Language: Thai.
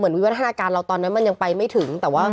เหมือนวิวัตถ์ธนาการเราตอนนั้นมันยังไปไม่ถึง